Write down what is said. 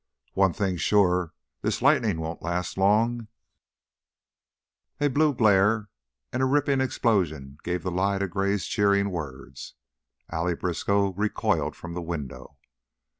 "One thing sure, this lightning won't last long " A blue glare and a ripping explosion gave the lie to Gray's cheering words. Allie Briskow recoiled from the window.